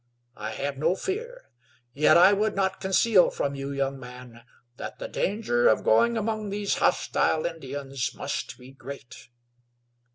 I have no fear; yet I would not conceal from you, young man, that the danger of going among these hostile Indians must be great."